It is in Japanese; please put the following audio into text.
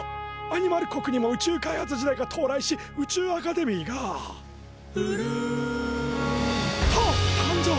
アニマル国にも宇宙開発時代が到来し宇宙アカデミーが「ぷるん」と誕生。